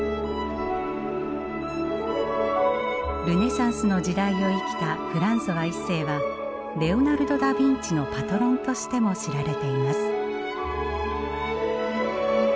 ルネサンスの時代を生きたフランソワ一世はレオナルド・ダビンチのパトロンとしても知られています。